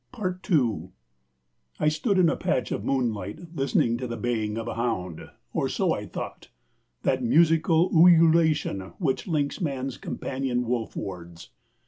II I stood in a patch of moonlight listening to the baying of a hound or so I thought: that musical ululation which links man's companion wolf wards.